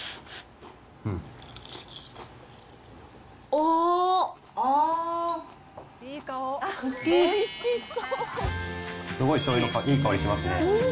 おー、あー、すごいしょうゆのいい香りしますね。